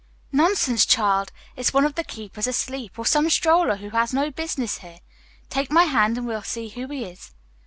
"Nonsense, child, it's one of the keepers asleep, or some stroller who has no business here. Take my hand and we'll see who it is."